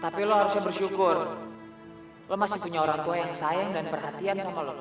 tapi lo harus bersyukur lo masih punya orang tua yang sayang dan perhatian kalau